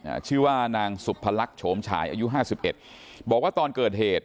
อ่าชื่อว่านางสุพรรคโฉมฉายอายุห้าสิบเอ็ดบอกว่าตอนเกิดเหตุ